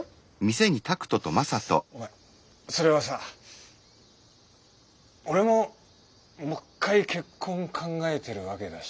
お前それはさあ俺ももっかい結婚考えてるわけだし。